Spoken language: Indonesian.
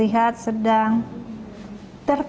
dariisi latih jadinya untuk penutupan hebat mm